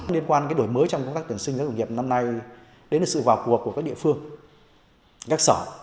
liên quan đổi mới trong công tác tuyển sinh giáo dục nghiệp năm nay đến được sự vào cuộc của các địa phương các sở